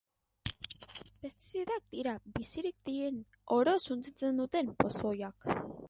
Pestizidak dira bizirik den oro suntsitzen duten pozoiak.